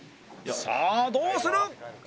さあどうする？